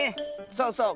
そうそう。